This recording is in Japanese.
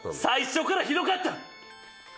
「最初からひどかった」？